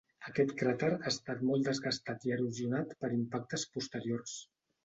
Aquest cràter ha estat molt desgastat i erosionat per impactes posteriors.